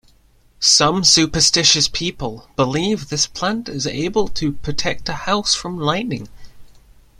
Some superstitious people believe this plant is able to protect a house from lightning.